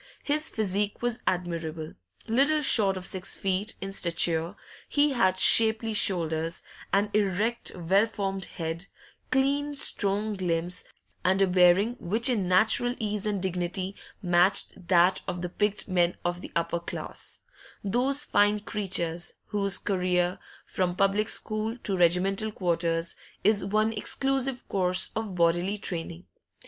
His physique was admirable; little short of six feet in stature, he had shapely shoulders, an erect well formed head, clean strong limbs, and a bearing which in natural ease and dignity matched that of the picked men of the upper class those fine creatures whose career, from public school to regimental quarters, is one exclusive course of bodily training.